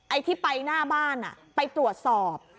ไอ้ที่ไปหน้าบ้านไปตรวจสอบ